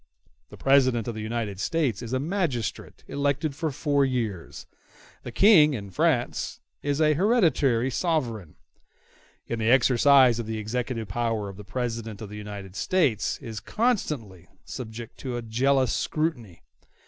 The President of the United States is a magistrate elected for four years; the King, in France, is an hereditary sovereign. In the exercise of the executive power the President of the United States is constantly subject to a jealous scrutiny.